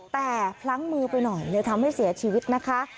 แต่พลั้งมือไปหน่อยเลยทำให้เสียชีวิตนะคะ